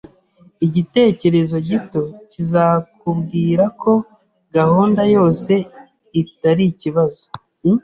Igitekerezo gito kizakubwira ko gahunda yose itari ikibazo